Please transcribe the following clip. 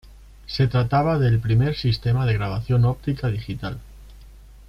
Se trataba del primer sistema de grabación óptica digital.